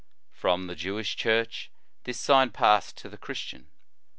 ^ From the Jewish Church, this sign passed to the Christian.